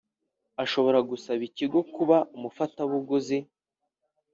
ashobora gusaba ikigo kuba umufatabuguzi